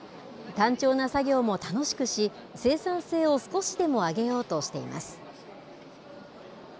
単調な作業も楽しくし、生産性を少しでも上げようとしています。